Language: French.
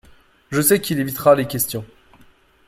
Je sais qu’il évitera les questions.